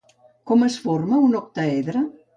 Com es forma l'octaedre?